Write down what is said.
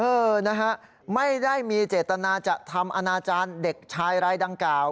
เออนะฮะไม่ได้มีเจตนาจะทำอนาจารย์เด็กชายรายดังกล่าว